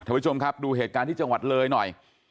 ผู้ชมครับดูเหตุการณ์ที่จังหวัดเลยหน่อย